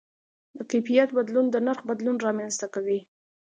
د کیفیت بدلون د نرخ بدلون رامنځته کوي.